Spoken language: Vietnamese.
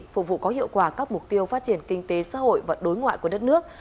phục vụ có hiệu quả các mục tiêu phát triển kinh tế xã hội và đối ngoại của đất nước